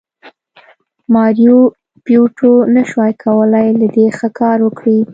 ماریو بیوټو نشوای کولی له دې ښه کار وکړي